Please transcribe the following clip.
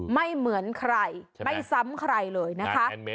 ไม่เหมือนใครไม่ซ้ำใครเลยนะคะ